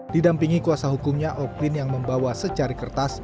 didampingi kuasa hukumnya oklin yang membawa secari kertas